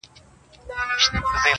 چي حاجي حاجي ئې بولې، اخير به حاجي سي.